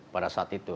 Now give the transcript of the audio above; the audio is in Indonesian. pada saat itu